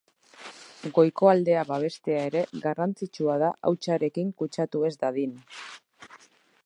Goiko aldea babestea ere garrantzitsua da hautsarekin kutsatu ez dadin.